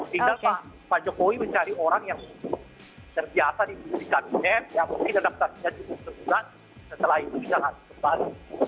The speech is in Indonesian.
tinggal pak jokowi mencari orang yang terbiasa di budi kabinet yang mungkin adaptasinya cukup serta setelah itu tidak ada keempat